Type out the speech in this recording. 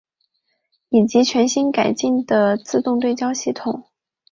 以及全新改进的自动对焦系统。